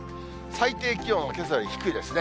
最低気温はけさより低いですね。